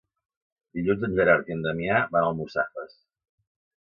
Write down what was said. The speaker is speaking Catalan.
Dilluns en Gerard i en Damià van a Almussafes.